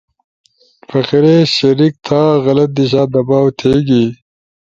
فقرے شریک تھا، غلط دیشا دباؤ تھیگی،